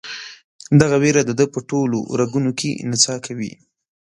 دغه ویر د ده په ټولو رګونو کې نڅا کوي.